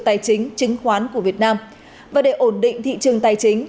tài chính chứng khoán của việt nam và để ổn định thị trường tài chính